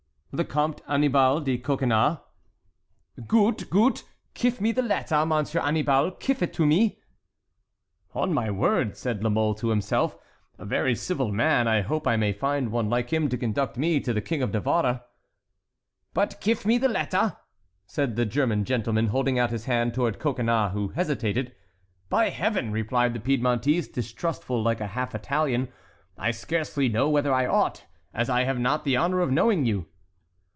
"The Comte Annibal de Coconnas." "Goot! goot! kif me the ledder, Monsieur Annibal, kif it to me!" "On my word," said La Mole to himself, "a very civil man. I hope I may find one like him to conduct me to the King of Navarre." "But kif me the ledder," said the German gentleman, holding out his hand toward Coconnas, who hesitated. "By Heaven!" replied the Piedmontese, distrustful like a half Italian, "I scarcely know whether I ought, as I have not the honor of knowing you."